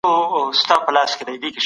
ده رزمي مهارتونه زده کړي وو